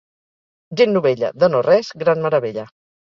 Gent novella, de no res, gran meravella.